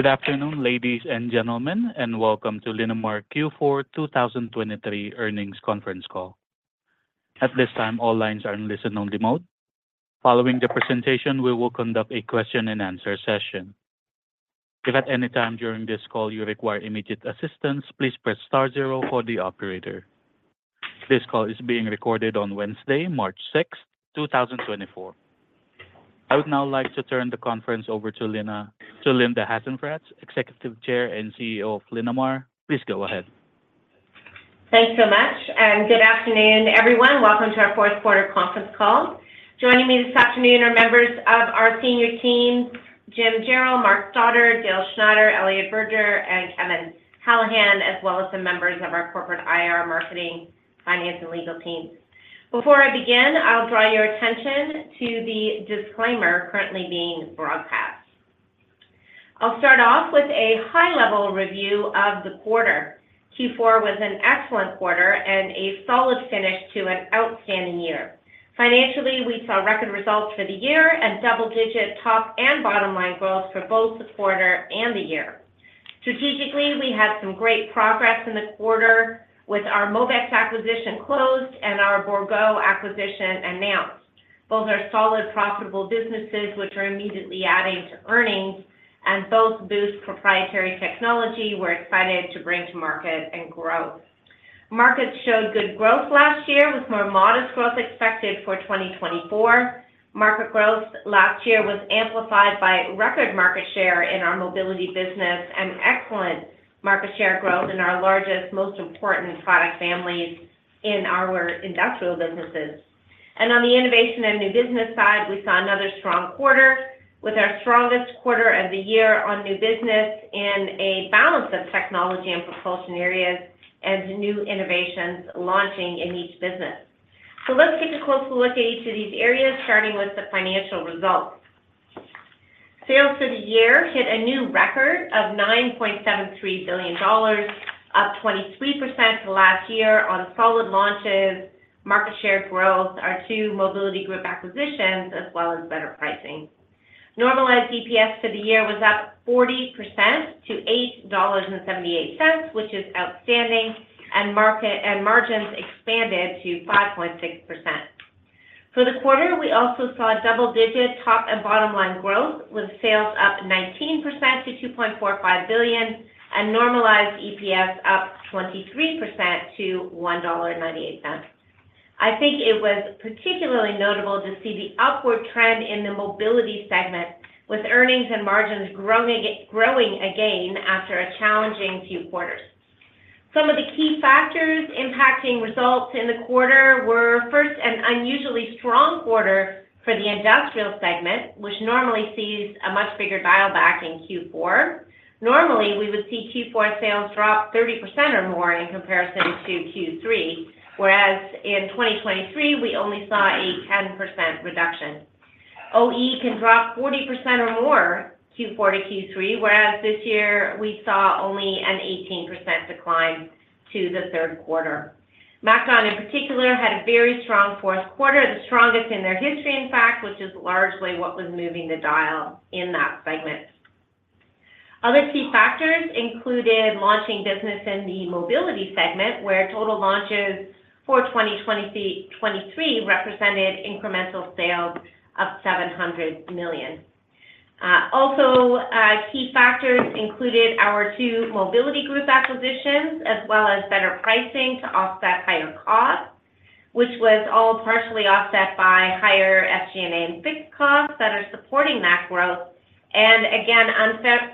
Good afternoon, ladies and gentlemen, and welcome to Linamar Q4 2023 Earnings Conference Call. At this time, all lines are in listen-only mode. Following the presentation, we will conduct a question-and-answer session. If at any time during this call you require immediate assistance, please press star zero for the operator. This call is being recorded on Wednesday, March 6th, 2024. I would now like to turn the conference over to Linda Hasenfratz, Executive Chair and CEO of Linamar. Please go ahead. Thanks so much. Good afternoon, everyone. Welcome to our fourth-quarter conference call. Joining me this afternoon are members of our senior teams, Jim Jarrell, Mark Stoddart, Dale Schneider, Ali Zaidi, and Kevin Hallahan, as well as the members of our corporate IR, marketing, finance, and legal teams. Before I begin, I'll draw your attention to the disclaimer currently being broadcast. I'll start off with a high-level review of the quarter. Q4 was an excellent quarter and a solid finish to an outstanding year. Financially, we saw record results for the year and double-digit top and bottom line growth for both the quarter and the year. Strategically, we had some great progress in the quarter with our Mobex acquisition closed and our Bourgault acquisition announced. Both are solid, profitable businesses which are immediately adding to earnings, and both boost proprietary technology we're excited to bring to market and growth. Markets showed good growth last year with more modest growth expected for 2024. Market growth last year was amplified by record market share in our mobility business and excellent market share growth in our largest, most important product families in our industrial businesses. On the innovation and new business side, we saw another strong quarter with our strongest quarter of the year on new business in a balance of technology and propulsion areas and new innovations launching in each business. Let's take a closer look at each of these areas, starting with the financial results. Sales for the year hit a new record of 9.73 billion dollars, up 23% from last year on solid launches. Market share growth are two mobility group acquisitions as well as better pricing. Normalized EPS for the year was up 40% to 8.78 dollars, which is outstanding, and margins expanded to 5.6%. For the quarter, we also saw double-digit top and bottom line growth with sales up 19% to 2.45 billion and normalized EPS up 23% to 1.98 dollar. I think it was particularly notable to see the upward trend in the mobility segment with earnings and margins growing again after a challenging few quarters. Some of the key factors impacting results in the quarter were, first, an unusually strong quarter for the industrial segment, which normally sees a much bigger dialback in Q4. Normally, we would see Q4 sales drop 30% or more in comparison to Q3, whereas in 2023, we only saw a 10% reduction. OEM can drop 40% or more Q4 to Q3, whereas this year we saw only an 18% decline to the third quarter. MacDon, in particular, had a very strong fourth quarter, the strongest in their history, in fact, which is largely what was moving the dial in that segment. Other key factors included launching business in the mobility segment, where total launches for 2023 represented incremental sales of 700 million. Also, key factors included our two mobility group acquisitions as well as better pricing to offset higher costs, which was all partially offset by higher SG&A and fixed costs that are supporting that growth, and again,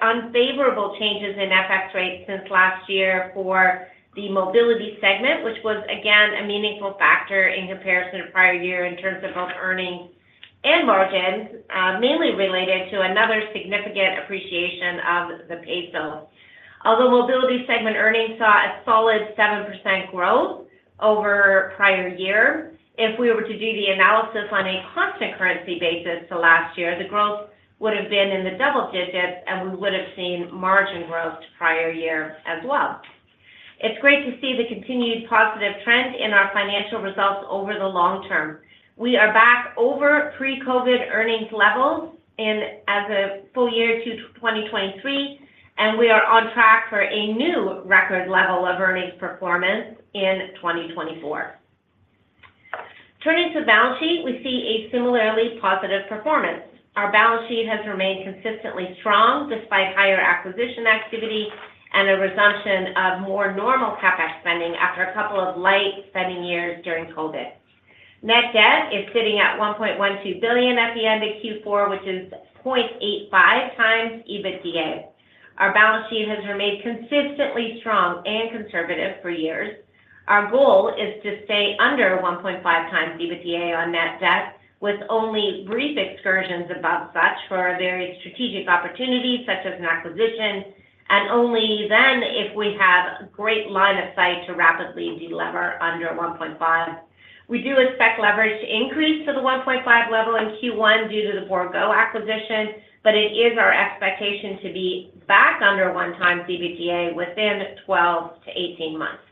unfavorable changes in FX rates since last year for the mobility segment, which was again a meaningful factor in comparison to prior year in terms of both earnings and margins, mainly related to another significant appreciation of the peso. Although mobility segment earnings saw a solid 7% growth over prior year, if we were to do the analysis on a constant currency basis to last year, the growth would have been in the double digits, and we would have seen margin growth to prior year as well. It's great to see the continued positive trend in our financial results over the long term. We are back over pre-COVID earnings levels as a full year to 2023, and we are on track for a new record level of earnings performance in 2024. Turning to balance sheet, we see a similarly positive performance. Our balance sheet has remained consistently strong despite higher acquisition activity and a resumption of more normal CapEx spending after a couple of light spending years during COVID. Net debt is sitting at 1.12 billion at the end of Q4, which is 0.8x EBITDA. Our balance sheet has remained consistently strong and conservative for years. Our goal is to stay under 1.5x EBITDA on net debt with only brief excursions above such for various strategic opportunities such as an acquisition, and only then if we have a great line of sight to rapidly delever under 1.5. We do expect leverage to increase to the 1.5 level in Q1 due to the Bourgault acquisition, but it is our expectation to be back under 1x EBITDA within 12-18 months.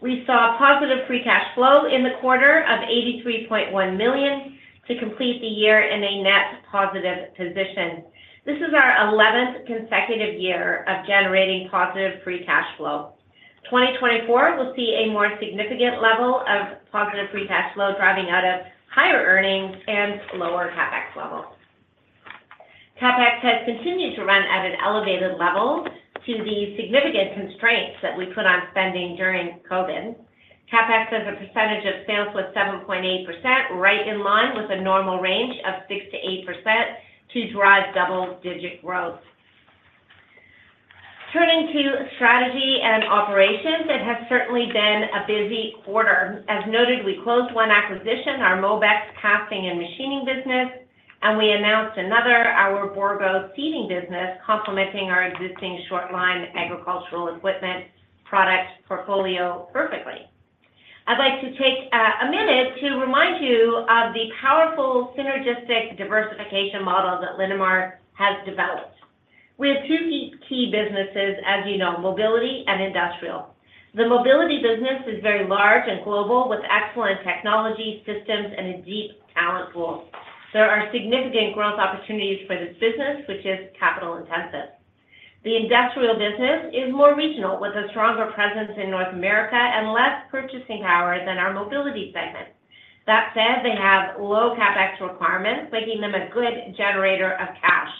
We saw positive free cash flow in the quarter of 83.1 million to complete the year in a net positive position. This is our 11th consecutive year of generating positive free cash flow. 2024 will see a more significant level of positive free cash flow driving out of higher earnings and lower CapEx levels. CapEx has continued to run at an elevated level to the significant constraints that we put on spending during COVID. CapEx has a percentage of sales with 7.8%, right in line with a normal range of 6%-8% to drive double-digit growth. Turning to strategy and operations, it has certainly been a busy quarter. As noted, we closed one acquisition, our Mobex casting and machining business, and we announced another, our Bourgault seeding business complementing our existing short-line agricultural equipment product portfolio perfectly. I'd like to take a minute to remind you of the powerful synergistic diversification model that Linamar has developed. We have two key businesses, as you know, mobility and industrial. The mobility business is very large and global with excellent technology, systems, and a deep talent pool. There are significant growth opportunities for this business, which is capital-intensive. The industrial business is more regional with a stronger presence in North America and less purchasing power than our mobility segment. That said, they have low CapEx requirements, making them a good generator of cash.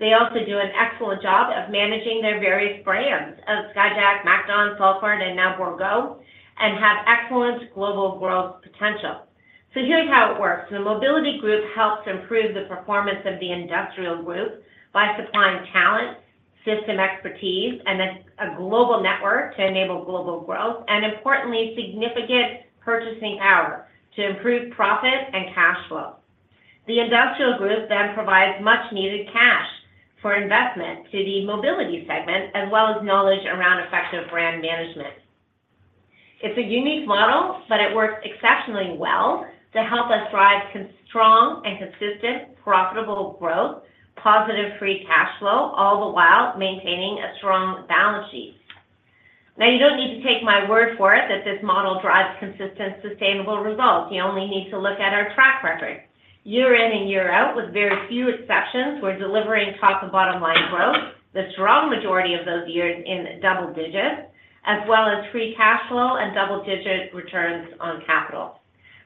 They also do an excellent job of managing their various brands of Skyjack, MacDon, Salford, and now Bourgault, and have excellent global growth potential. So here's how it works. The mobility group helps improve the performance of the industrial group by supplying talent, system expertise, and a global network to enable global growth, and importantly, significant purchasing power to improve profit and cash flow. The industrial group then provides much-needed cash for investment to the mobility segment as well as knowledge around effective brand management. It's a unique model, but it works exceptionally well to help us drive strong and consistent profitable growth, positive free cash flow, all the while maintaining a strong balance sheet. Now, you don't need to take my word for it that this model drives consistent, sustainable results. You only need to look at our track record. Year in and year out, with very few exceptions, we're delivering top and bottom line growth, the strong majority of those years in double digits, as well as free cash flow and double-digit returns on capital.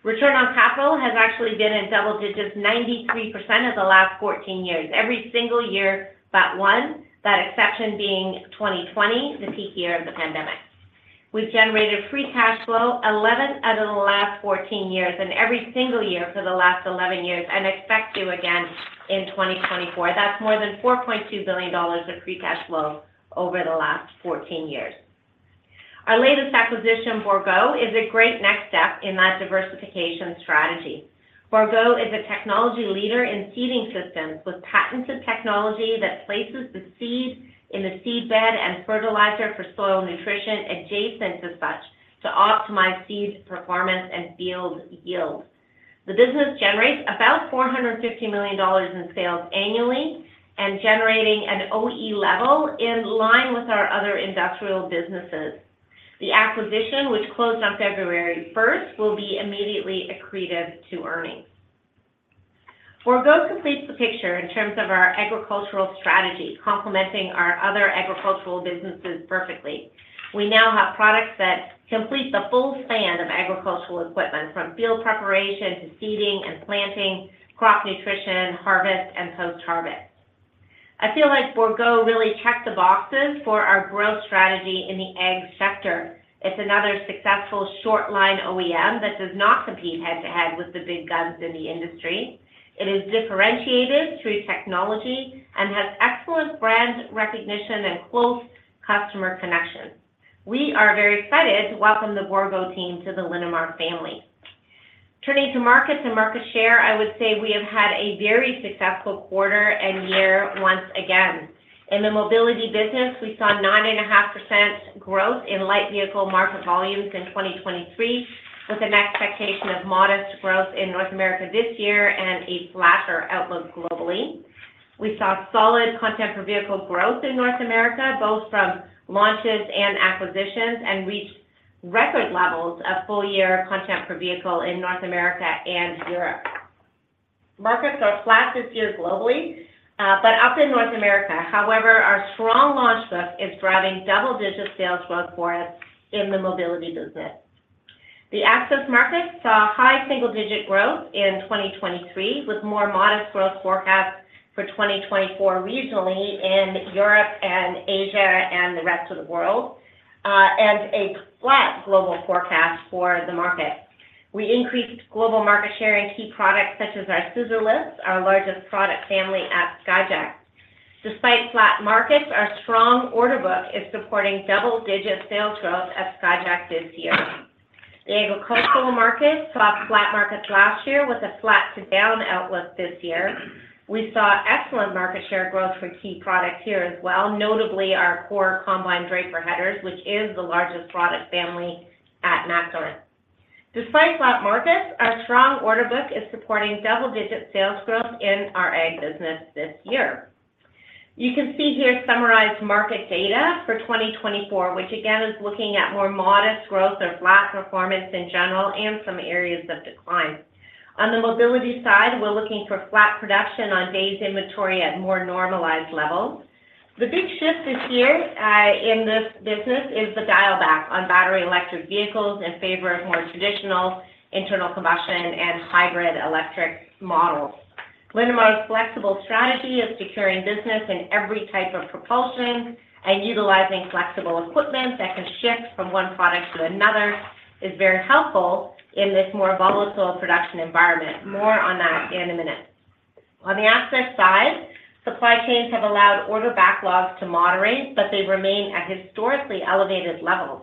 Return on capital has actually been in double digits 93% of the last 14 years, every single year but one, that exception being 2020, the peak year of the pandemic. We've generated free cash flow 11 out of the last 14 years, and every single year for the last 11 years, and expect to again in 2024. That's more than 4.2 billion dollars of free cash flow over the last 14 years. Our latest acquisition, Bourgault, is a great next step in that diversification strategy. Bourgault is a technology leader in seeding systems with patents of technology that places the seed in the seed bed and fertilizer for soil nutrition adjacent to such to optimize seed performance and field yield. The business generates about 450 million dollars in sales annually and generating an OE level in line with our other industrial businesses. The acquisition, which closed on February 1st, will be immediately accretive to earnings. Bourgault completes the picture in terms of our agricultural strategy, complementing our other agricultural businesses perfectly. We now have products that complete the full span of agricultural equipment from field preparation to seeding and planting, crop nutrition, harvest, and post-harvest. I feel like Bourgault really checked the boxes for our growth strategy in the ag sector. It's another successful short-line OEM that does not compete head-to-head with the big guns in the industry. It is differentiated through technology and has excellent brand recognition and close customer connections. We are very excited to welcome the Bourgault team to the Linamar family. Turning to markets and market share, I would say we have had a very successful quarter and year once again. In the mobility business, we saw 9.5% growth in light vehicle market volumes in 2023 with an expectation of modest growth in North America this year and a flatter outlook globally. We saw solid content-per-vehicle growth in North America, both from launches and acquisitions, and reached record levels of full-year content-per-vehicle in North America and Europe. Markets are flat this year globally, but up in North America. However, our strong launch book is driving double-digit sales growth for us in the mobility business. The access markets saw high single-digit growth in 2023 with more modest growth forecasts for 2024 regionally in Europe and Asia and the rest of the world, and a flat global forecast for the market. We increased global market share in key products such as our scissor lifts, our largest product family at Skyjack. Despite flat markets, our strong order book is supporting double-digit sales growth at Skyjack this year. The agricultural markets saw flat markets last year with a flat-to-down outlook this year. We saw excellent market share growth for key products here as well, notably our core combine draper headers, which is the largest product family at MacDon. Despite flat markets, our strong order book is supporting double-digit sales growth in our ag business this year. You can see here summarized market data for 2024, which again is looking at more modest growth or flat performance in general and some areas of decline. On the mobility side, we're looking for flat production on days' inventory at more normalized levels. The big shift this year in this business is the dialback on battery electric vehicles in favor of more traditional internal combustion and hybrid electric models. Linamar's flexible strategy of securing business in every type of propulsion and utilizing flexible equipment that can shift from one product to another is very helpful in this more volatile production environment. More on that in a minute. On the ag side, supply chains have allowed order backlogs to moderate, but they remain at historically elevated levels.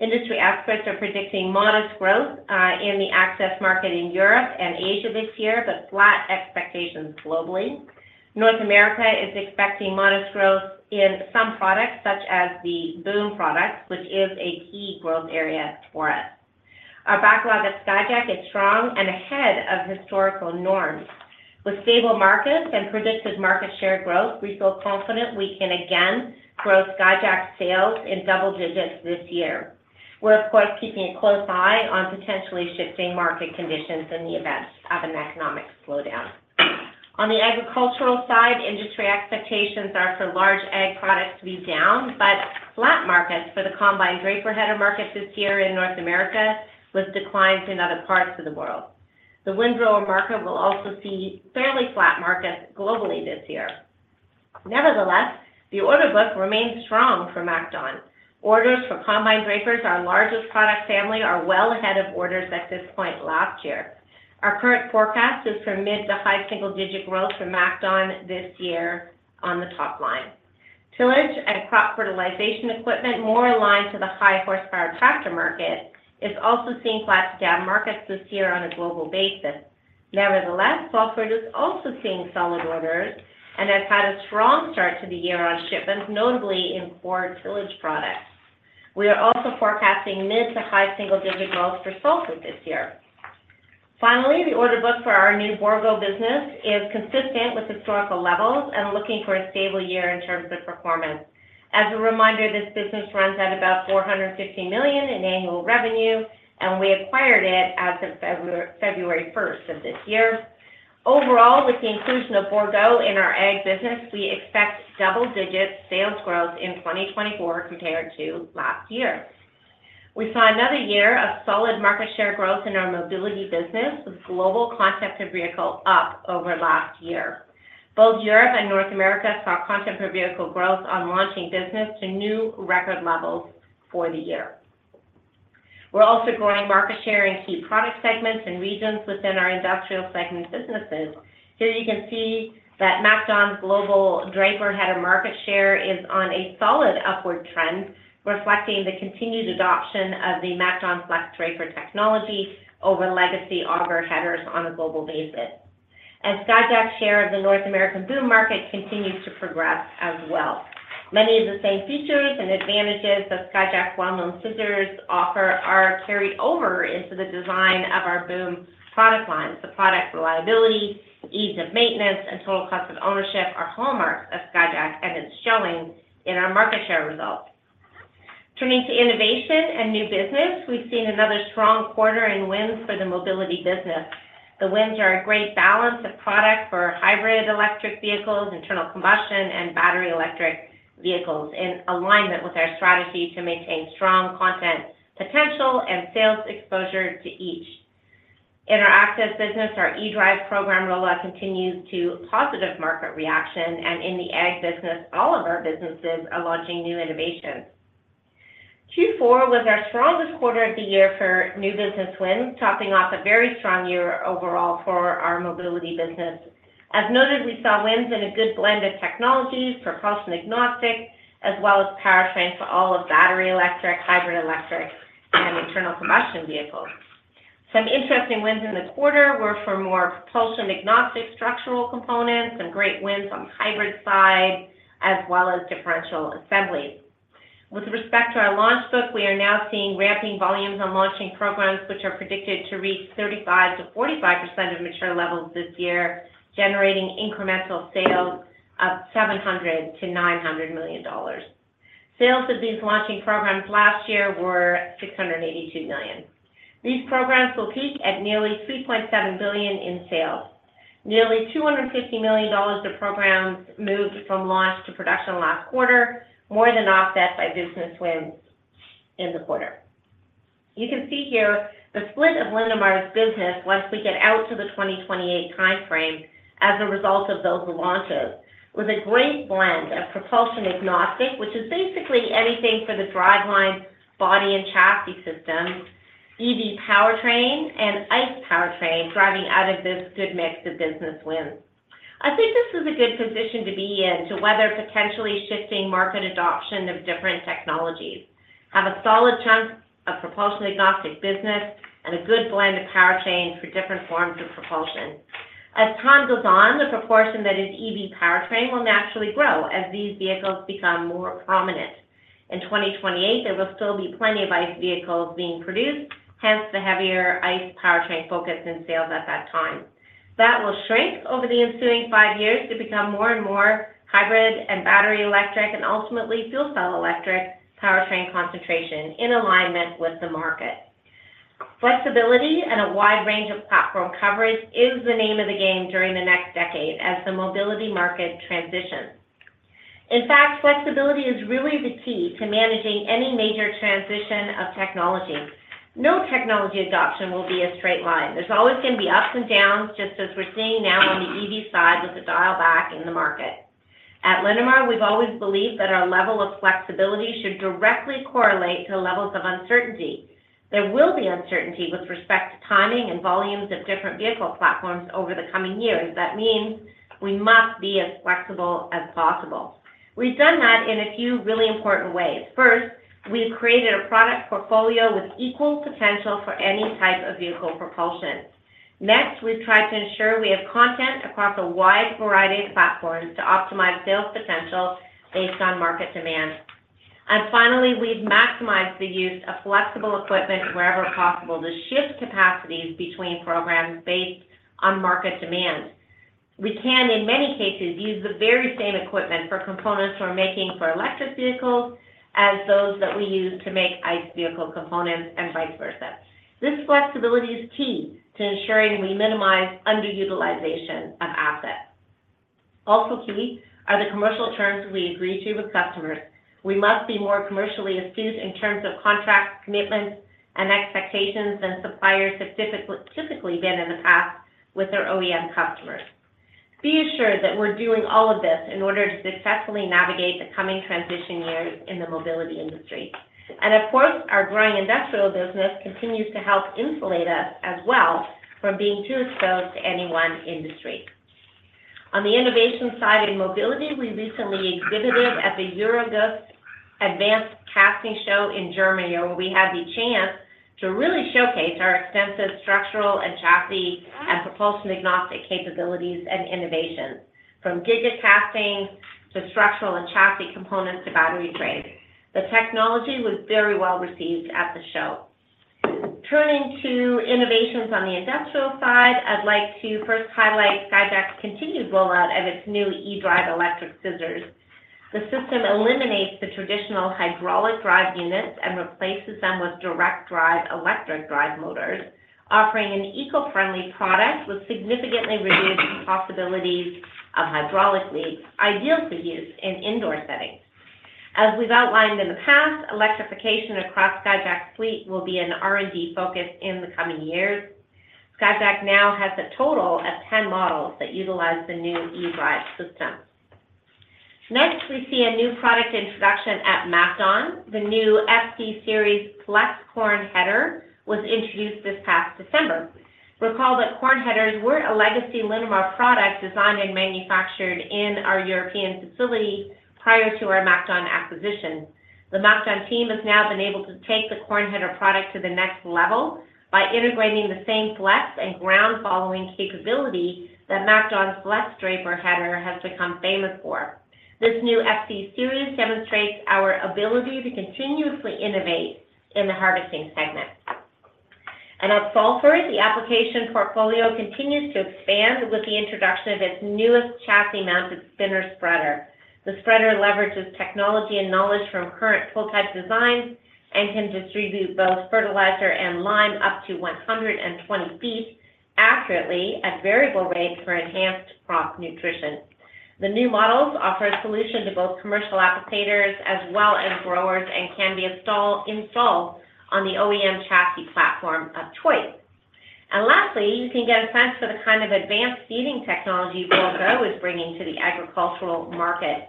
Industry experts are predicting modest growth in the access market in Europe and Asia this year, but flat expectations globally. North America is expecting modest growth in some products such as the boom products, which is a key growth area for us. Our backlog at Skyjack is strong and ahead of historical norms. With stable markets and predicted market share growth, we feel confident we can again grow Skyjack sales in double digits this year. We're, of course, keeping a close eye on potentially shifting market conditions in the event of an economic slowdown. On the agricultural side, industry expectations are for large ag products to be down, but flat markets for the combine draper header market this year in North America with declines in other parts of the world. The windrower market will also see fairly flat markets globally this year. Nevertheless, the order book remains strong for MacDon. Orders for combine drapers in our largest product family are well ahead of orders at this point last year. Our current forecast is for mid to high single-digit growth for MacDon this year on the top line. Tillage and crop fertilization equipment, more aligned to the high horsepower tractor market, is also seeing flat-to-down markets this year on a global basis. Nevertheless, Salford is also seeing solid orders and has had a strong start to the year on shipments, notably in core tillage products. We are also forecasting mid to high single-digit growth for Salford this year. Finally, the order book for our new Bourgault business is consistent with historical levels and looking for a stable year in terms of performance. As a reminder, this business runs at about 450 million in annual revenue, and we acquired it as of February 1st of this year. Overall, with the inclusion of Bourgault in our ag business, we expect double-digit sales growth in 2024 compared to last year. We saw another year of solid market share growth in our mobility business with global content-per-vehicle up over last year. Both Europe and North America saw content-per-vehicle growth on launching business to new record levels for the year. We're also growing market share in key product segments and regions within our industrial segment businesses. Here you can see that MacDon's global draper header market share is on a solid upward trend, reflecting the continued adoption of the MacDon FlexDraper technology over legacy auger headers on a global basis. And Skyjack's share of the North American boom market continues to progress as well. Many of the same features and advantages that Skyjack's well-known scissors offer are carried over into the design of our boom product lines. The product reliability, ease of maintenance, and total cost of ownership are hallmarks of Skyjack, and it's showing in our market share results. Turning to innovation and new business, we've seen another strong quarter and wins for the mobility business. The wins are a great balance of product for hybrid electric vehicles, internal combustion, and battery electric vehicles in alignment with our strategy to maintain strong content potential and sales exposure to each. In our access business, our E-Drive program rollout continues to positive market reaction, and in the ag business, all of our businesses are launching new innovations. Q4 was our strongest quarter of the year for new business wins, topping off a very strong year overall for our mobility business. As noted, we saw wins in a good blend of technologies, propulsion agnostic, as well as powertrain for all of battery electric, hybrid electric, and internal combustion vehicles. Some interesting wins in the quarter were for more propulsion agnostic structural components, some great wins on the hybrid side, as well as differential assemblies. With respect to our launch book, we are now seeing ramping volumes on launching programs, which are predicted to reach 35%-45% of mature levels this year, generating incremental sales of 700 million-900 million dollars. Sales of these launching programs last year were 682 million. These programs will peak at nearly 3.7 billion in sales. Nearly 250 million dollars of programs moved from launch to production last quarter, more than offset by business wins in the quarter. You can see here the split of Linamar's business once we get out to the 2028 timeframe as a result of those launches with a great blend of propulsion agnostic, which is basically anything for the driveline body and chassis systems, EV powertrain, and ICE powertrain driving out of this good mix of business wins. I think this is a good position to be in to weather potentially shifting market adoption of different technologies, have a solid chunk of propulsion agnostic business, and a good blend of powertrain for different forms of propulsion. As time goes on, the proportion that is EV powertrain will naturally grow as these vehicles become more prominent. In 2028, there will still be plenty of ICE vehicles being produced, hence the heavier ICE powertrain focus in sales at that time. That will shrink over the ensuing five years to become more and more hybrid and battery electric and ultimately fuel cell electric powertrain concentration in alignment with the market. Flexibility and a wide range of platform coverage is the name of the game during the next decade as the mobility market transitions. In fact, flexibility is really the key to managing any major transition of technology. No technology adoption will be a straight line. There's always going to be ups and downs, just as we're seeing now on the EV side with the dialback in the market. At Linamar, we've always believed that our level of flexibility should directly correlate to levels of uncertainty. There will be uncertainty with respect to timing and volumes of different vehicle platforms over the coming years. That means we must be as flexible as possible. We've done that in a few really important ways. First, we've created a product portfolio with equal potential for any type of vehicle propulsion. Next, we've tried to ensure we have content across a wide variety of platforms to optimize sales potential based on market demand. And finally, we've maximized the use of flexible equipment wherever possible to shift capacities between programs based on market demand. We can, in many cases, use the very same equipment for components we're making for electric vehicles as those that we use to make ICE vehicle components and vice versa. This flexibility is key to ensuring we minimize underutilization of assets. Also key are the commercial terms we agree to with customers. We must be more commercially astute in terms of contract commitments and expectations than suppliers have typically been in the past with their OEM customers. Be assured that we're doing all of this in order to successfully navigate the coming transition years in the mobility industry. Of course, our growing industrial business continues to help insulate us as well from being too exposed to any one industry. On the innovation side in mobility, we recently exhibited at the Euroguss Advanced Casting Show in Germany, where we had the chance to really showcase our extensive structural and chassis and propulsion agnostic capabilities and innovations, from Giga Casting to structural and chassis components to battery frames. The technology was very well received at the show. Turning to innovations on the industrial side, I'd like to first highlight Skyjack's continued rollout of its new E-Drive electric scissors. The system eliminates the traditional hydraulic drive units and replaces them with direct drive electric drive motors, offering an eco-friendly product with significantly reduced possibilities of hydraulic leaks, ideal for use in indoor settings. As we've outlined in the past, electrification across Skyjack's fleet will be an R&D focus in the coming years. Skyjack now has a total of 10 models that utilize the new E-Drive system. Next, we see a new product introduction at MacDon. The new FC Series FlexCorn Header was introduced this past December. Recall that corn headers were a legacy Linamar product designed and manufactured in our European facility prior to our MacDon acquisition. The MacDon team has now been able to take the corn header product to the next level by integrating the same flex and ground-following capability that MacDon's FlexDraper header has become famous for. This new FC Series demonstrates our ability to continuously innovate in the harvesting segment. And at Salford, the application portfolio continues to expand with the introduction of its newest chassis-mounted spinner spreader. The spreader leverages technology and knowledge from current pull-type designs and can distribute both fertilizer and lime up to 120 ft accurately at variable rates for enhanced crop nutrition. The new models offer a solution to both commercial applicators as well as growers and can be installed on the OEM chassis platform of choice. And lastly, you can get a sense for the kind of advanced seeding technology Bourgault is bringing to the agricultural market.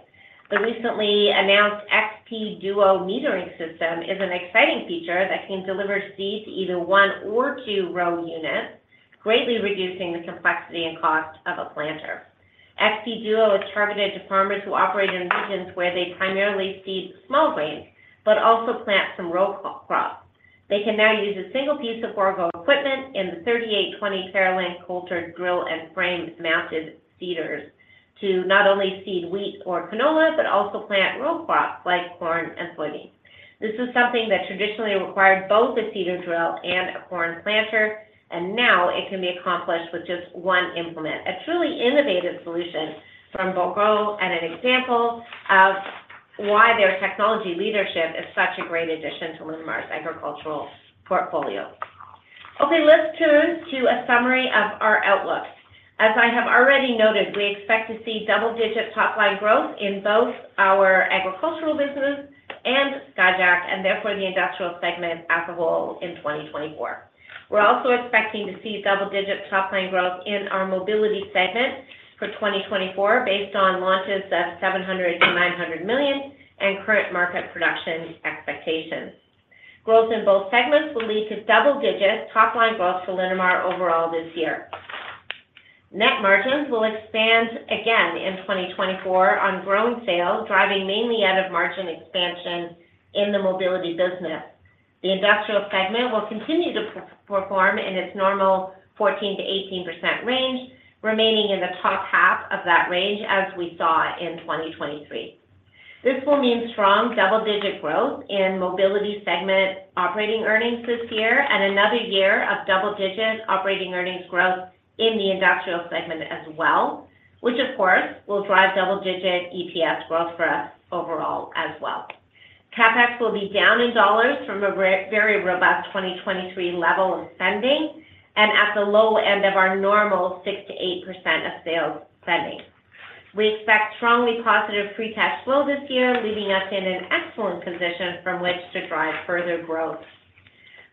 The recently announced XP Duo metering system is an exciting feature that can deliver seed to either one or two row units, greatly reducing the complexity and cost of a planter. XP Duo is targeted to farmers who operate in regions where they primarily seed small grains but also plant some row crops. They can now use a single piece of Bourgault equipment in the 3820 ParaLink Coulter Drill and frame mounted seeders to not only seed wheat or canola but also plant row crops like corn and soybeans. This is something that traditionally required both a seeder drill and a corn planter, and now it can be accomplished with just one implement. A truly innovative solution from Bourgault and an example of why their technology leadership is such a great addition to Linamar's agricultural portfolio. Okay, let's turn to a summary of our outlook. As I have already noted, we expect to see double-digit top line growth in both our agricultural business and Skyjack, and therefore the industrial segment as a whole in 2024. We're also expecting to see double-digit top line growth in our mobility segment for 2024 based on launches of 700 million-900 million and current market production expectations. Growth in both segments will lead to double-digit top line growth for Linamar overall this year. Net margins will expand again in 2024 on growing sales, driving mainly out of margin expansion in the mobility business. The industrial segment will continue to perform in its normal 14%-18% range, remaining in the top half of that range as we saw in 2023. This will mean strong double-digit growth in mobility segment operating earnings this year and another year of double-digit operating earnings growth in the industrial segment as well, which, of course, will drive double-digit EPS growth for us overall as well. CapEx will be down in dollars from a very robust 2023 level of spending and at the low end of our normal 6%-8% of sales spending. We expect strongly positive free cash flow this year, leaving us in an excellent position from which to drive further growth.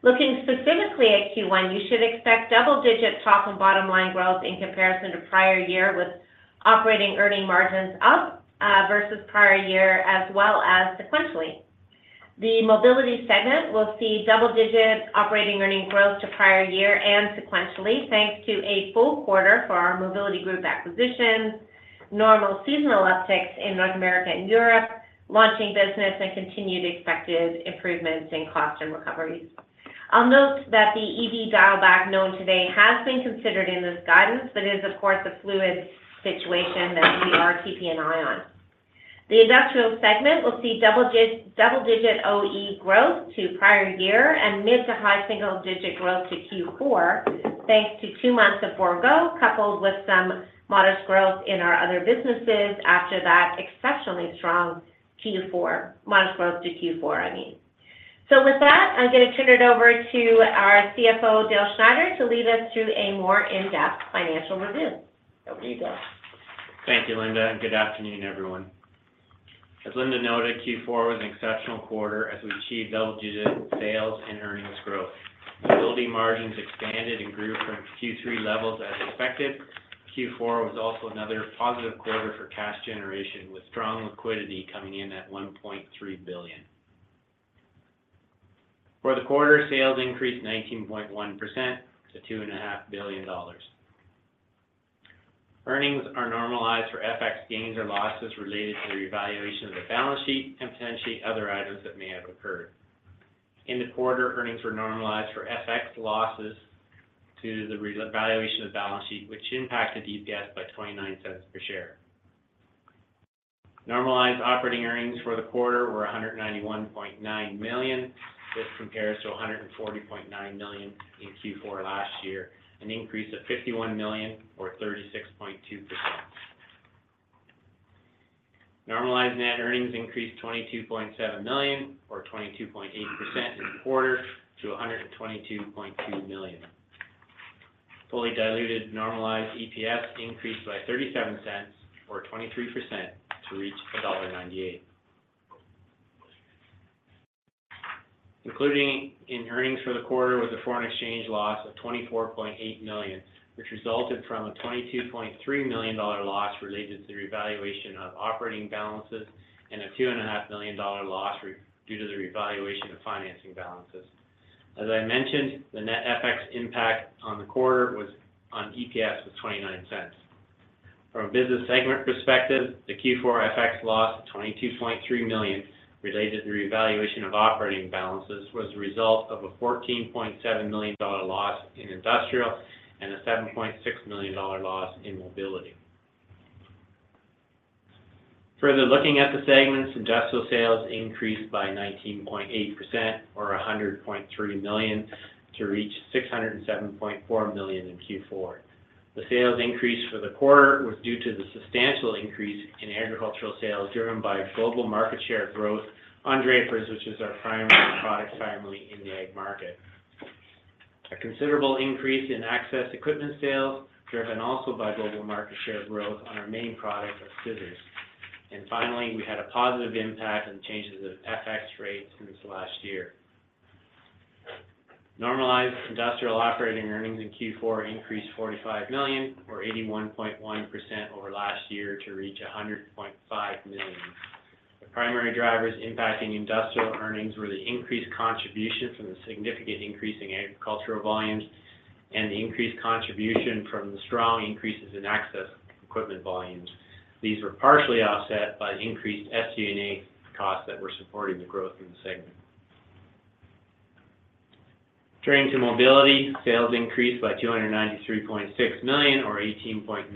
Looking specifically at Q1, you should expect double-digit top and bottom line growth in comparison to prior year with operating earnings margins up versus prior year as well as sequentially. The mobility segment will see double-digit operating earnings growth to prior year and sequentially thanks to a full quarter for our mobility group acquisitions, normal seasonal upticks in North America and Europe, launching business, and continued expected improvements in cost and recoveries. I'll note that the EV dialback known today has been considered in this guidance, but it is, of course, a fluid situation that we are keeping an eye on. The industrial segment will see double-digit OE growth to prior year and mid to high single-digit growth to Q4 thanks to two months of Bourgault coupled with some modest growth in our other businesses after that exceptionally strong Q4. Modest growth to Q4, I mean. So with that, I'm going to turn it over to our CFO, Dale Schneider, to lead us through a more in-depth financial review. Over to you, Dale. Thank you, Linda, and good afternoon, everyone. As Linda noted, Q4 was an exceptional quarter as we achieved double-digit sales and earnings growth. Mobility margins expanded and grew from Q3 levels as expected. Q4 was also another positive quarter for cash generation with strong liquidity coming in at 1.3 billion. For the quarter, sales increased 19.1% to 2.5 billion dollars. Earnings are normalized for FX gains or losses related to the revaluation of the balance sheet and potentially other items that may have occurred. In the quarter, earnings were normalized for FX losses to the revaluation of balance sheet, which impacted EPS by 0.0029 per share. Normalized operating earnings for the quarter were 191.9 million. This compares to 140.9 million in Q4 last year, an increase of 51 million or 36.2%. Normalized net earnings increased 22.7 million or 22.8% in the quarter to 122.2 million. Fully diluted normalized EPS increased by 0.0037 or 23% to reach CAD 1.98. Including in earnings for the quarter was a foreign exchange loss of 24.8 million, which resulted from a 22.3 million dollar loss related to the revaluation of operating balances and a 2.5 million dollar loss due to the revaluation of financing balances. As I mentioned, the net FX impact on the quarter was on EPS was 0.29. From a business segment perspective, the Q4 FX loss of 22.3 million related to the revaluation of operating balances was the result of a 14.7 million dollar loss in industrial and a 7.6 million dollar loss in mobility. Further looking at the segments, industrial sales increased by 19.8% or 100.3 million to reach 607.4 million in Q4. The sales increase for the quarter was due to the substantial increase in agricultural sales driven by global market share growth on drapers, which is our primary product family in the ag market. A considerable increase in access equipment sales driven also by global market share growth on our main product of scissors. And finally, we had a positive impact on changes of FX rates this last year. Normalized industrial operating earnings in Q4 increased 45 million or 81.1% over last year to reach 100.5 million. The primary drivers impacting industrial earnings were the increased contribution from the significant increase in agricultural volumes and the increased contribution from the strong increases in access equipment volumes. These were partially offset by increased SG&A costs that were supporting the growth in the segment. Turning to mobility, sales increased by 293.6 million or 18.9%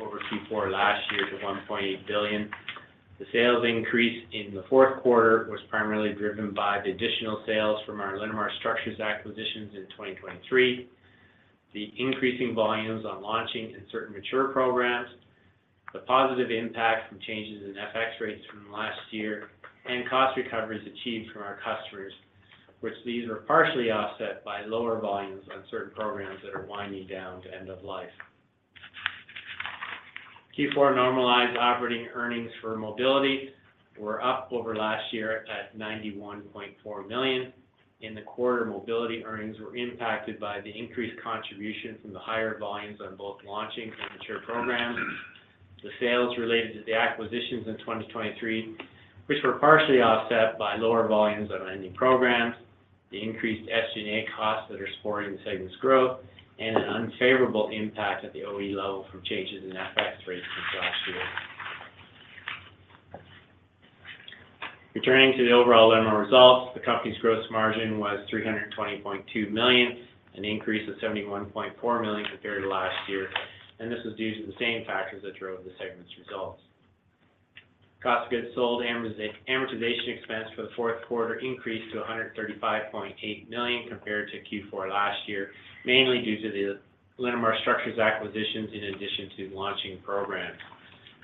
over Q4 last year to 1.8 billion. The sales increase in the fourth quarter was primarily driven by the additional sales from our Linamar Structures acquisitions in 2023, the increasing volumes on launching and certain mature programs, the positive impact from changes in FX rates from last year, and cost recoveries achieved from our customers, which these were partially offset by lower volumes on certain programs that are winding down to end of life. Q4 normalized operating earnings for mobility were up over last year at 91.4 million. In the quarter, mobility earnings were impacted by the increased contribution from the higher volumes on both launching and mature programs, the sales related to the acquisitions in 2023, which were partially offset by lower volumes on ending programs, the increased SG&A costs that are supporting the segment's growth, and an unfavorable impact at the OE level from changes in FX rates from last year. Returning to the overall Linamar results, the company's gross margin was 320.2 million, an increase of 71.4 million compared to last year. This was due to the same factors that drove the segment's results. Cost of goods sold, amortization expense for the fourth quarter increased to 135.8 million compared to Q4 last year, mainly due to the Linamar structures acquisitions in addition to launching programs.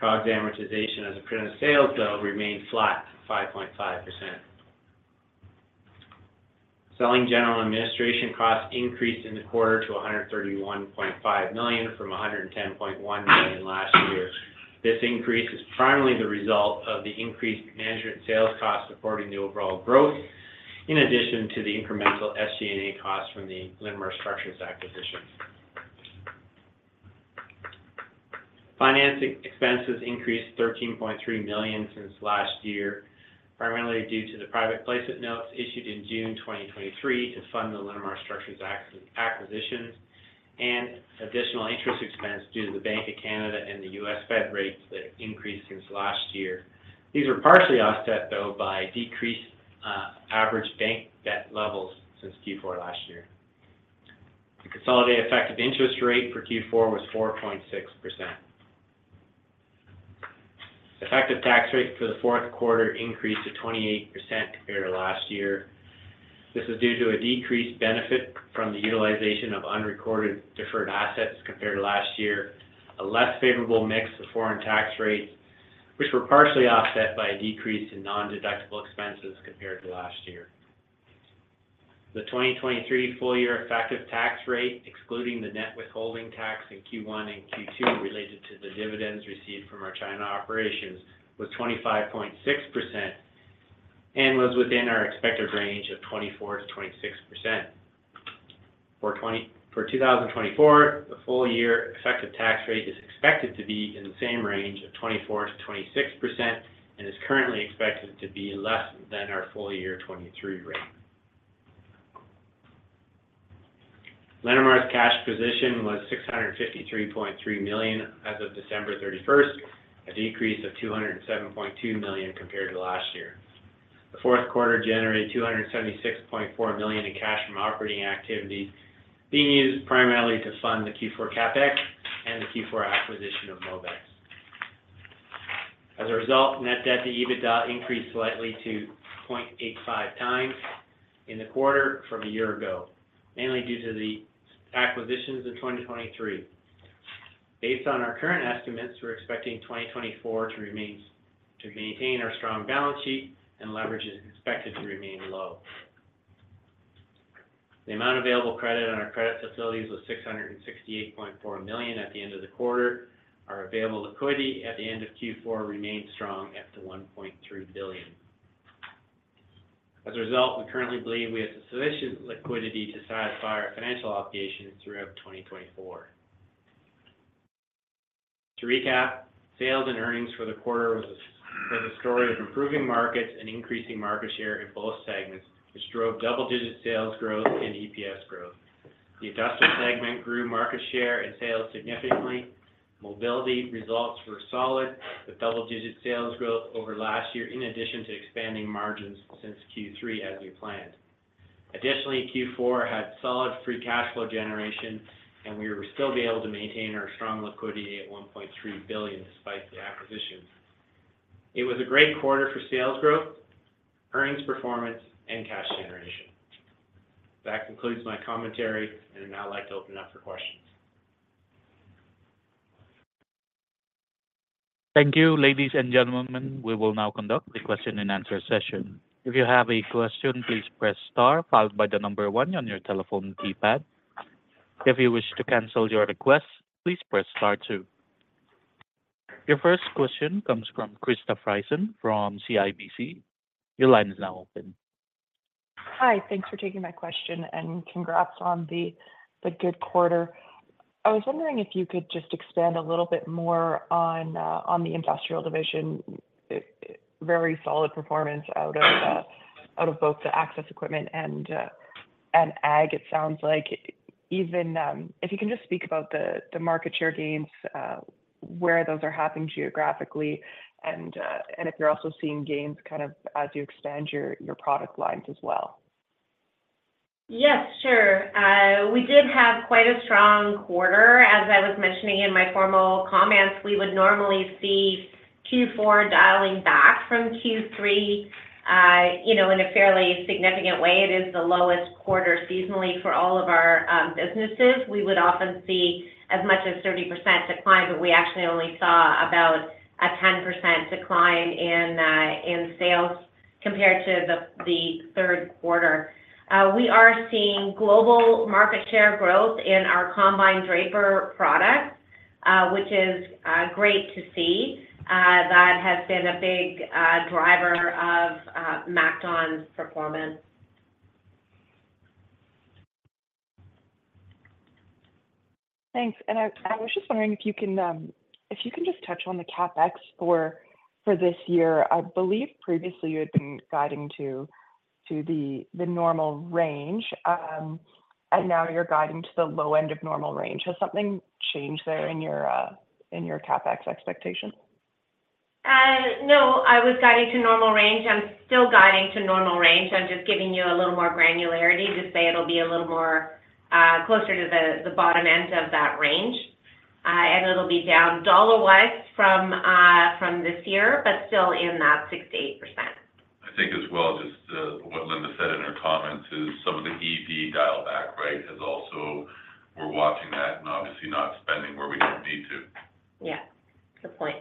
COGS amortization as a percent of sales, though, remained flat at 5.5%. Selling general administration costs increased in the quarter to 131.5 million from 110.1 million last year. This increase is primarily the result of the increased management sales costs supporting the overall growth in addition to the incremental SG&A costs from the Linamar structures acquisitions. Financing expenses increased 13.3 million since last year, primarily due to the private placement notes issued in June 2023 to fund the Linamar structures acquisitions and additional interest expense due to the Bank of Canada and the US Fed rates that increased since last year. These were partially offset, though, by decreased average bank debt levels since Q4 last year. The consolidated effective interest rate for Q4 was 4.6%. Effective tax rate for the fourth quarter increased to 28% compared to last year. This is due to a decreased benefit from the utilization of unrecorded deferred assets compared to last year, a less favorable mix of foreign tax rates, which were partially offset by a decrease in non-deductible expenses compared to last year. The 2023 full year effective tax rate, excluding the net withholding tax in Q1 and Q2 related to the dividends received from our China operations, was 25.6% and was within our expected range of 24%-26%. For 2024, the full year effective tax rate is expected to be in the same range of 24%-26% and is currently expected to be less than our full year 2023 rate. Linamar's cash position was 653.3 million as of December 31st, a decrease of 207.2 million compared to last year. The fourth quarter generated 276.4 million in cash from operating activities being used primarily to fund the Q4 CapEx and the Q4 acquisition of Mobex. As a result, net debt to EBITDA increased slightly to 0.85x in the quarter from a year ago, mainly due to the acquisitions in 2023. Based on our current estimates, we're expecting 2024 to maintain our strong balance sheet and leverage is expected to remain low. The amount available credit on our credit facilities was 668.4 million at the end of the quarter. Our available liquidity at the end of Q4 remained strong at 1.3 billion. As a result, we currently believe we have sufficient liquidity to satisfy our financial obligations throughout 2024. To recap, sales and earnings for the quarter was a story of improving markets and increasing market share in both segments, which drove double-digit sales growth and EPS growth. The industrial segment grew market share and sales significantly. Mobility results were solid with double-digit sales growth over last year in addition to expanding margins since Q3 as we planned. Additionally, Q4 had solid free cash flow generation, and we were still able to maintain our strong liquidity at 1.3 billion despite the acquisitions. It was a great quarter for sales growth, earnings performance, and cash generation. That concludes my commentary, and I'd now like to open it up for questions. Thank you, ladies and gentlemen. We will now conduct the question and answer session. If you have a question, please press star followed by the number one on your telephone keypad. If you wish to cancel your request, please press star two. Your first question comes from Krista Friesen from CIBC. Your line is now open. Hi. Thanks for taking my question and congrats on the good quarter. I was wondering if you could just expand a little bit more on the industrial division. Very solid performance out of both the access equipment and ag, it sounds like. If you can just speak about the market share gains, where those are happening geographically, and if you're also seeing gains kind of as you expand your product lines as well. Yes, sure. We did have quite a strong quarter. As I was mentioning in my formal comments, we would normally see Q4 dialing back from Q3 in a fairly significant way. It is the lowest quarter seasonally for all of our businesses. We would often see as much as 30% decline, but we actually only saw about a 10% decline in sales compared to the third quarter. We are seeing global market share growth in our combined draper product, which is great to see. That has been a big driver of MacDon's performance. Thanks. And I was just wondering if you can just touch on the CapEx for this year. I believe previously you had been guiding to the normal range, and now you're guiding to the low end of normal range. Has something changed there in your CapEx expectations? No, I was guiding to normal range. I'm still guiding to normal range. I'm just giving you a little more granularity to say it'll be a little more closer to the bottom end of that range, and it'll be down dollar-wise from this year, but still in that 68%. I think as well, just what Linda said in her comments is some of the EV dialback, right, has also we're watching that and obviously not spending where we don't need to. Yeah. Good point.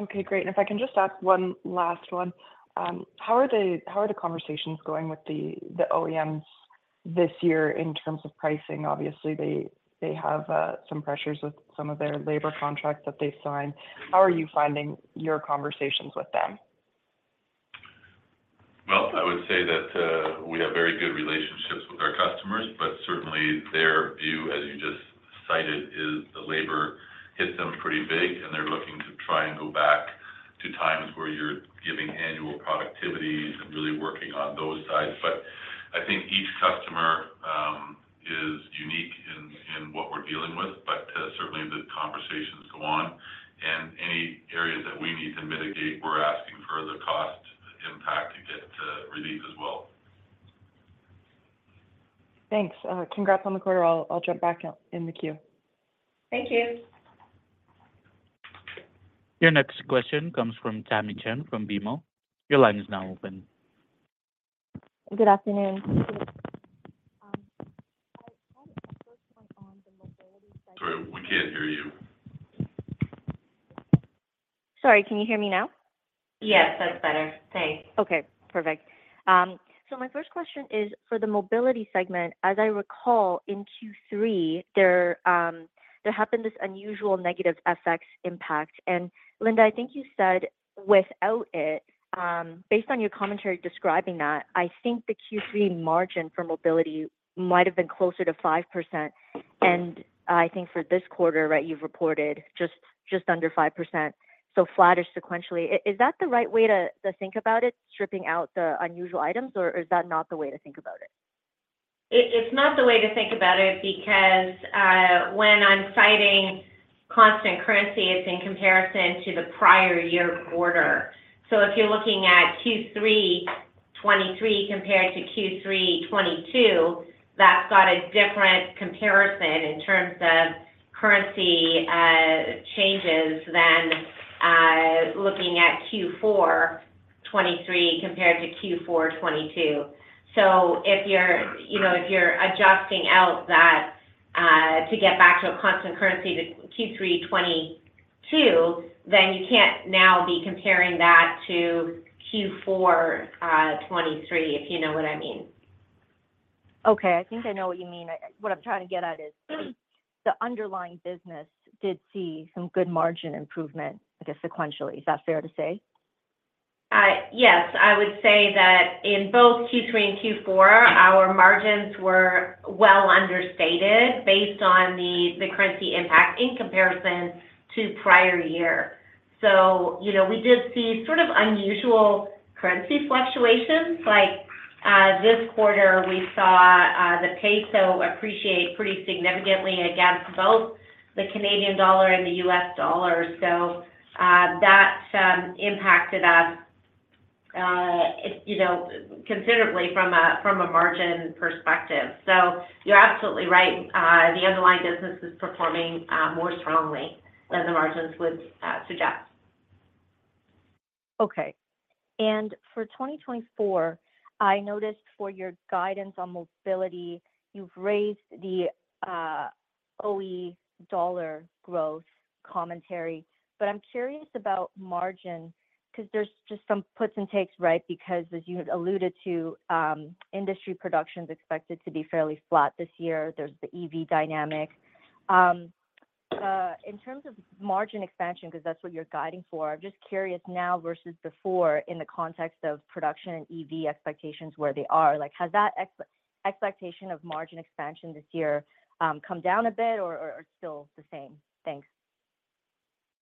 Okay. Great. And if I can just ask one last one, how are the conversations going with the OEMs this year in terms of pricing? Obviously, they have some pressures with some of their labor contracts that they've signed. How are you finding your conversations with them? Well, I would say that we have very good relationships with our customers, but certainly their view, as you just cited, is the labor hits them pretty big, and they're looking to try and go back to times where you're giving annual productivities and really working on those sides. But I think each customer is unique in what we're dealing with, but certainly the conversations go on. And any areas that we need to mitigate, we're asking for the cost impact to get relief as well. Thanks. Congrats on the quarter. I'll jump back in the queue. Thank you. Your next question comes from Tamy Chen from BMO. Your line is now open. Good afternoon. I had a first point on the mobility. Sorry. We can't hear you. Sorry. Can you hear me now? Yes, that's better. Thanks. Okay. Perfect. So my first question is, for the mobility segment, as I recall, in Q3, there happened this unusual negative FX impact. And Linda, I think you said without it, based on your commentary describing that, I think the Q3 margin for mobility might have been closer to 5%. And I think for this quarter, right, you've reported just under 5%, so flattish sequentially. Is that the right way to think about it, stripping out the unusual items, or is that not the way to think about it? It's not the way to think about it because when I'm citing constant currency, it's in comparison to the prior year quarter. So if you're looking at Q3 2023 compared to Q3 2022, that's got a different comparison in terms of currency changes than looking at Q4 2023 compared to Q4 2022. So if you're adjusting out that to get back to a constant currency to Q3 2022, then you can't now be comparing that to Q4 2023, if you know what I mean. Okay. I think I know what you mean. What I'm trying to get at is the underlying business did see some good margin improvement, I guess, sequentially. Is that fair to say? Yes. I would say that in both Q3 and Q4, our margins were well understated based on the currency impact in comparison to prior year. So we did see sort of unusual currency fluctuations. This quarter, we saw the peso appreciate pretty significantly against both the Canadian dollar and the US dollar. So that impacted us considerably from a margin perspective. So you're absolutely right. The underlying business is performing more strongly than the margins would suggest. Okay. And for 2024, I noticed for your guidance on mobility, you've raised the OE dollar growth commentary. But I'm curious about margin because there's just some puts and takes, right, because as you alluded to, industry production is expected to be fairly flat this year. There's the EV dynamic. In terms of margin expansion because that's what you're guiding for, I'm just curious now versus before in the context of production and EV expectations where they are. Has that expectation of margin expansion this year come down a bit or still the same? Thanks.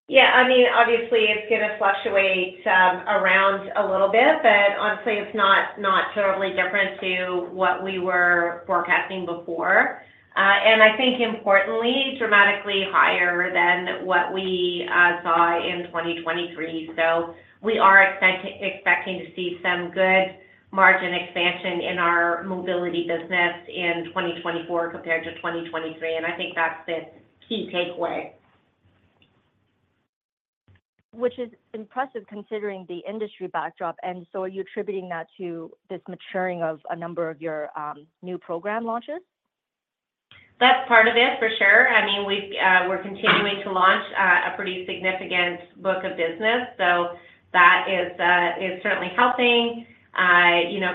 Yeah. I mean, obviously, it's going to fluctuate around a little bit, but honestly, it's not terribly different to what we were forecasting before. I think, importantly, dramatically higher than what we saw in 2023. So we are expecting to see some good margin expansion in our mobility business in 2024 compared to 2023. And I think that's the key takeaway. Which is impressive considering the industry backdrop. And so are you attributing that to this maturing of a number of your new program launches? That's part of it, for sure. I mean, we're continuing to launch a pretty significant book of business, so that is certainly helping.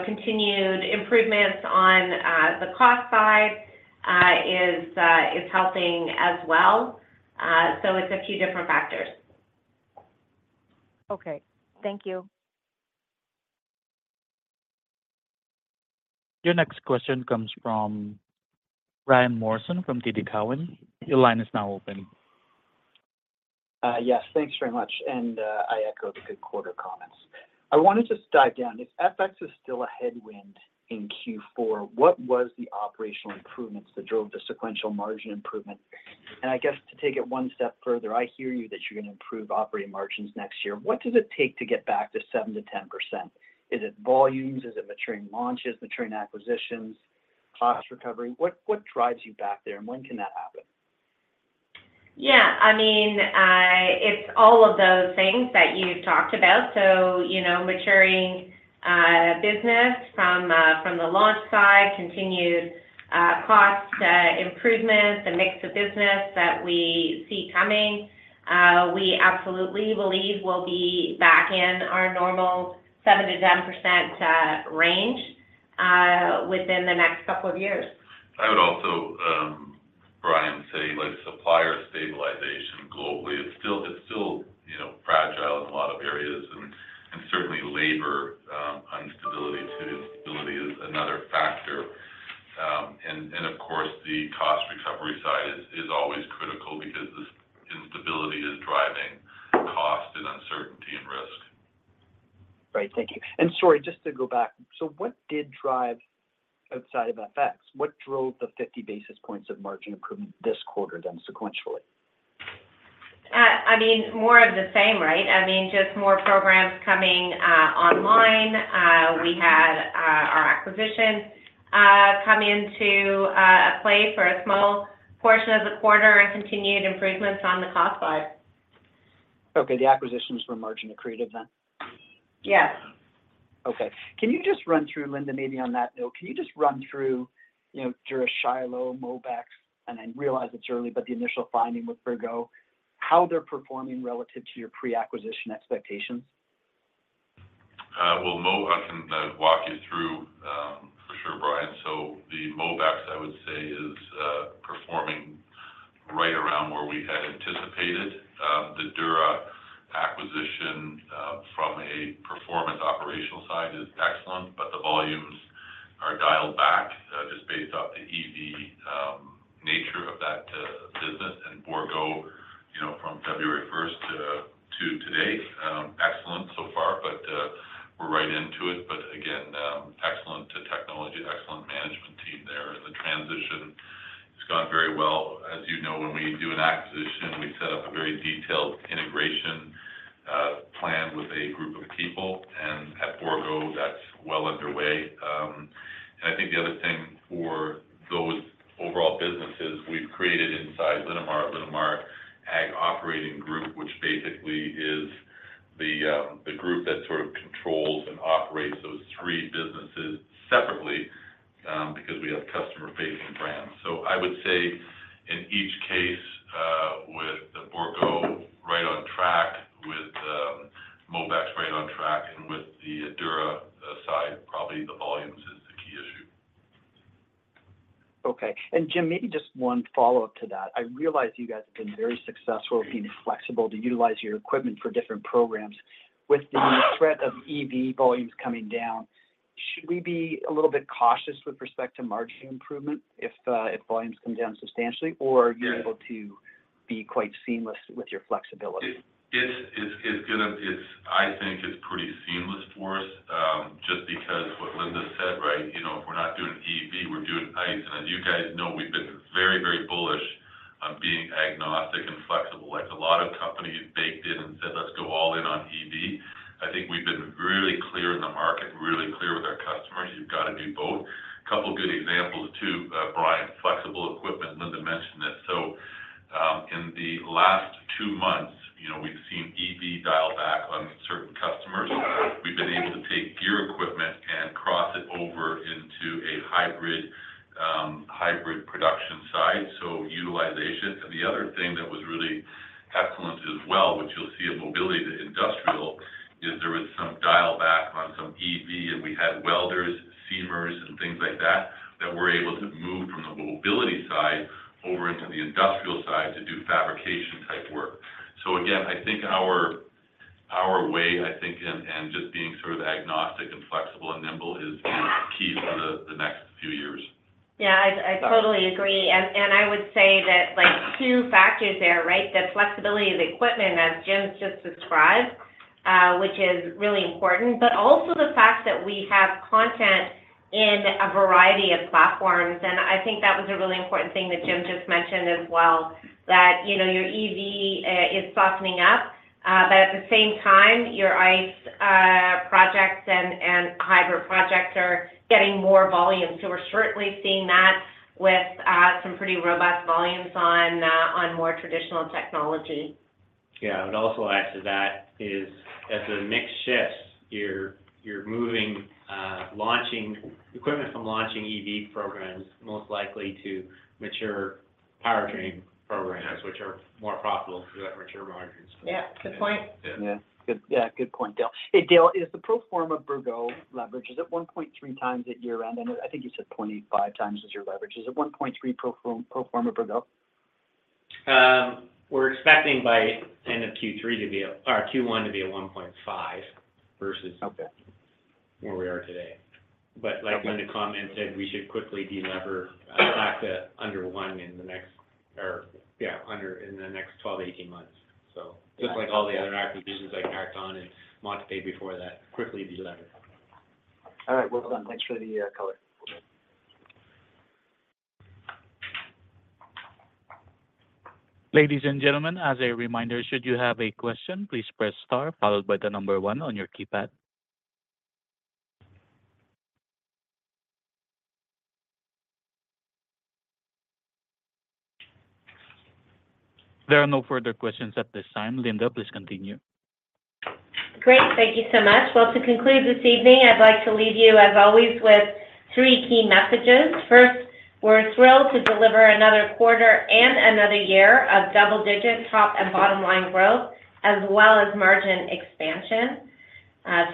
Continued improvements on the cost side is helping as well. So it's a few different factors. Okay. Thank you. Your next question comes from Brian Morrison from TD Cowen. Your line is now open. Yes. Thanks very much. And I echo the good quarter comments. I want to just dive down. If FX is still a headwind in Q4, what was the operational improvements that drove the sequential margin improvement? And I guess to take it one step further, I hear you that you're going to improve operating margins next year. What does it take to get back to 7%-10%? Is it volumes? Is it maturing launches, maturing acquisitions, cost recovery? What drives you back there, and when can that happen? Yeah. I mean, it's all of those things that you've talked about. So maturing business from the launch side, continued cost improvements, the mix of business that we see coming, we absolutely believe we'll be back in our normal 7%-10% range within the next couple of years. I would also, Brian, say supplier stabilization globally. It's still fragile in a lot of areas, and certainly labor unstability to instability is another factor. And of course, the cost recovery side is always critical because this instability is driving cost and uncertainty and risk. Great. Thank you. And sorry, just to go back, so what did drive outside of FX? What drove the 50 basis points of margin improvement this quarter then sequentially? I mean, more of the same, right? I mean, just more programs coming online. We had our acquisition come into play for a small portion of the quarter and continued improvements on the cost side. Okay. The acquisitions were margin accretive then? Yes. Okay. Can you just run through, Linda, maybe on that note, can you just run through Dura-Shiloh, Mobex, and I realize it's early, but the initial finding with Borgo, how they're performing relative to your pre-acquisition expectations? Well, I can walk you through for sure, Brian. So the Mobex, I would say, is performing right around where we had anticipated. The Dura acquisition from a performance operational side is excellent, but the volumes are dialed back just based off the EV nature of that business. And Bourgault from February 1st to today, excellent so far, but we're right into it. But again, excellent technology, excellent management team there. And the transition has gone very well. As you know, when we do an acquisition, we set up a very detailed integration plan with a group of people. And at Bourgault, that's well underway. And I think the other thing for those overall businesses, we've created inside Linamar, Linamar Ag Operating Group, which basically is the group that sort of controls and operates those three businesses separately because we have customer-facing brands. So I would say in each case with Bourgault, right on track, with Mobex, right on track, and with the Dura side, probably the volumes is the key issue. Okay. And Jim, maybe just one follow-up to that. I realize you guys have been very successful being flexible to utilize your equipment for different programs. With the threat of EV volumes coming down, should we be a little bit cautious with respect to margin improvement if volumes come down substantially, or are you able to be quite seamless with your flexibility? I think it's pretty seamless for us just because what Linda said, right, if we're not doing EV, we're doing ICE. And as you guys know, we've been very, very bullish on being agnostic and flexible. A lot of companies baked in and said, "Let's go all in on EV." I think we've been really clear in the market, really clear with our customers. You've got to do both. A couple of good examples too, Brian, flexible equipment. Linda mentioned this. So in the last two months, we've seen EV dial back on certain customers. We've been able to take gear equipment and cross it over into a hybrid production side, so utilization. And the other thing that was really excellent as well, which you'll see in mobility to industrial, is there was some dial back on some EV, and we had welders, seamers, and things like that that were able to move from the mobility side over into the industrial side to do fabrication-type work. So again, I think our way, I think, and just being sort of agnostic and flexible and nimble is key for the next few years. Yeah. I totally agree. And I would say that two factors there, right, the flexibility of the equipment as Jim's just described, which is really important, but also the fact that we have content in a variety of platforms. And I think that was a really important thing that Jim just mentioned as well, that your EV is softening up, but at the same time, your ICE projects and hybrid projects are getting more volumes. So we're certainly seeing that with some pretty robust volumes on more traditional technology. Yeah. I would also add to that is as the mix shifts, you're launching equipment from launching EV programs most likely to mature powertrain programs, which are more profitable because you have mature margins. Yeah. Good point. Yeah. Good point, Dale. Dale, is the pro forma Bourgault leverage 1.3x at year-end? And I think you said 0.85x is your leverage. Is it 1.3x pro forma Bourgault? We're expecting by the end of Q3 to be a or Q1 to be a 1.5x versus where we are today. But like Linda commented, we should quickly delever back to under 1x in the next or yeah, under 1x in the next 12 to 18 months. So just like all the other acquisitions I've tacked on and want to pay before that, quickly delever. All right. Well done. Thanks for the color. Ladies and gentlemen, as a reminder, should you have a question, please press star followed by the number one on your keypad. There are no further questions at this time. Linda, please continue. Great. Thank you so much. Well, to conclude this evening, I'd like to leave you, as always, with three key messages. First, we're thrilled to deliver another quarter and another year of double-digit top and bottom-line growth as well as margin expansion.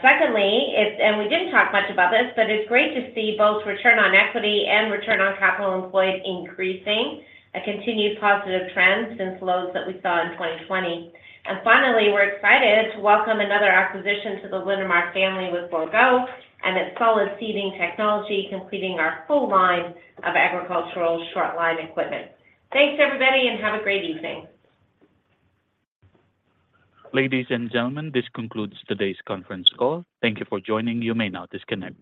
Secondly, and we didn't talk much about this, but it's great to see both return on equity and return on capital employed increasing, a continued positive trend since lows that we saw in 2020. And finally, we're excited to welcome another acquisition to the Linamar family with Bourgault and its solid seeding technology completing our full line of agricultural short-line equipment. Thanks, everybody, and have a great evening. Ladies and gentlemen, this concludes today's conference call. Thank you for joining. You may now disconnect.